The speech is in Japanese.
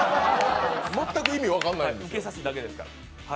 全く意味が分からないんです。